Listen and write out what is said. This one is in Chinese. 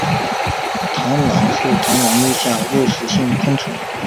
螳䗛是螳䗛目下的肉食性昆虫。